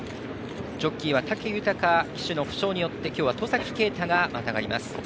ジョッキーは武豊騎手の負傷により今日は戸崎圭太騎手がまたがります。